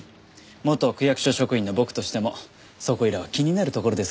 元区役所職員の僕としてもそこいらは気になるところですからね。